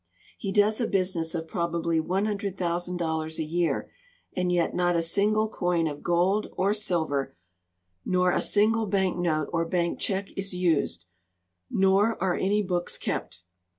He does a business of probably §100,000 a year, and yet not a single coin of gold or silver nor a single bank note or bank check is used, nor are any books kept.